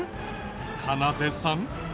かなでさん。